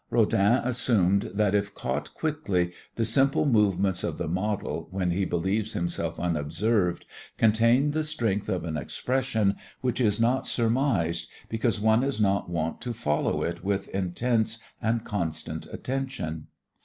Rodin assumed that if caught quickly, the simple movements of the model when he believes himself unobserved, contain the strength of an expression which is not surmised, because one is not wont to follow it with intense and constant attention.